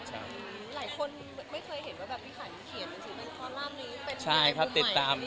หลายคนไม่เคยเห็นว่าพี่ขันเขียนคอลัมนี้เป็นมุมใหม่